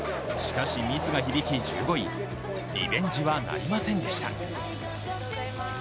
しかしミスが響き１５位、リベンジはなりませんでした。